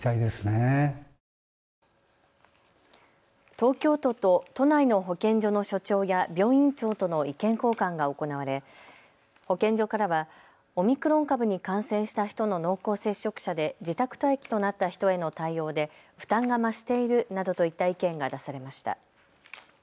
東京都と都内の保健所の所長や病院長との意見交換が行われ保健所からはオミクロン株に感染した人の濃厚接触者で自宅待機となった人への対応で負担が増しているなどといった意見が出されました。